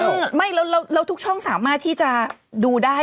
ไม่แล้วทุกช่องสามารถที่จะดูได้